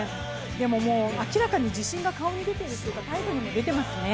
でも明らかに自信が顔に出ているというか態度に出ていますね。